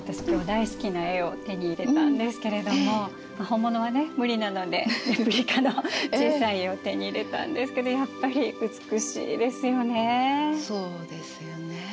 今日大好きな絵を手に入れたんですけれども本物はね無理なのでレプリカの小さい絵を手に入れたんですけどやっぱり美しいですよね。